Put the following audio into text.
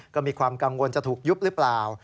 ก็มีความกังวลจะถูกยุบหรือเปล่า